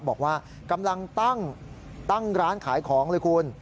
บอกว่ากำลังตั้งร้านขายของเลยคุณ